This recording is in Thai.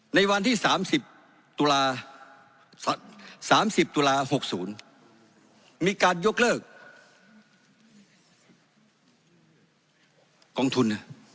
ในวันที่๓๐ตุลา๓๐ตุลา๖๐มีการยกเลิกกองทุน